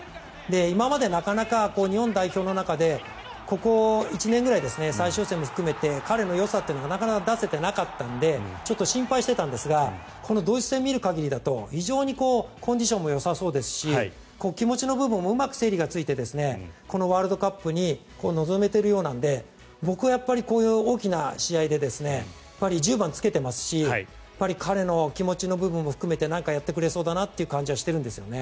今までなかなか日本代表の中でここ１年くらい最終予選も含めて彼のよさというのがなかなか出せていなかったのでちょっと心配していたんですがこのドイツ戦を見る限りだとコンディションもよさそうですし気持ちの部分もうまく整理がついてこのワールドカップに臨めているようなので僕は、こういう大きな試合で１０番つけてますし彼の気持ちの部分も含めて何かやってくれそうだなという感じがしているんですね。